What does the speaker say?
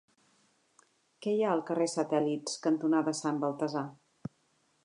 Què hi ha al carrer Satèl·lits cantonada Sant Baltasar?